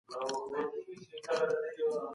انسانان يو پر بل تکیه کوي.